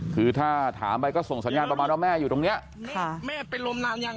คือถ้าถามไปก็ส่งสัญญาณประมาณว่าแม่อยู่ตรงเนี้ยค่ะแม่เป็นลมนานยัง